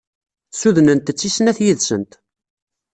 Sudnent-tt i snat yid-sent.